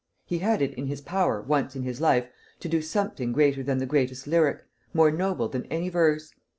He had it in his power, once in his life, to do something greater than the greatest lyric, more noble than any verse.